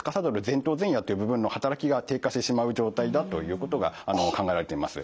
前野っていう部分の働きが低下してしまう状態だということが考えられています。